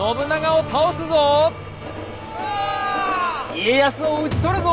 家康を討ち取るぞ！